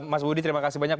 mas budi terima kasih banyak